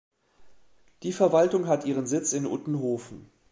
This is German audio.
Die Verwaltung hat ihren Sitz in Uttenhofen.